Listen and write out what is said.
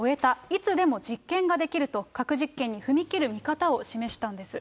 いつでも実験ができると、核実験に踏み切る見方を示したんです。